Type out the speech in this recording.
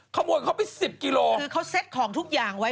ขโมยเขาไปสิบกิโลคือเขาเซ็ตของทุกอย่างไว้